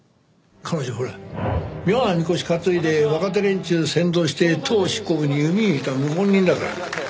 彼女ほら妙なみこし担いで若手連中扇動して党執行部に弓引いた謀反人だから。